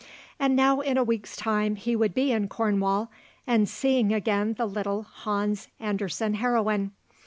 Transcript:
And now in a week's time he would be in Cornwall and seeing again the little Hans Andersen heroine.